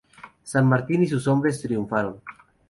San Martín y sus hombres triunfaron.